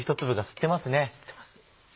吸ってます。